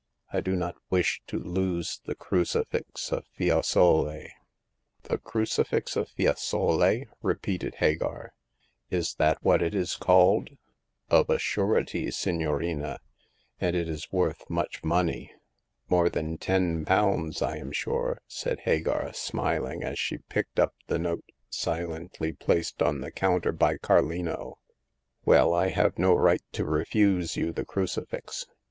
I do not wish to lose the Crucifix of Fiesole." The Crucifix of Fiesole," repeated Hagar— " is that what it is called ?*'" Of a surety, signorina ; and it is worth much money." " More than ten pounds, I am sure," said Hagar, smiling, as she picked up the note silently placed on the counter by Carlino. Well, I have no right to refuse you the crucifix.